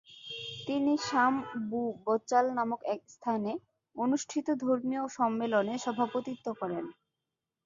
তিনি শাম-বু-ব্চাল নামক এক স্থানে অনুষ্ঠিত ধর্মীয় সম্মেলনে সভাপতিত্ব করেন।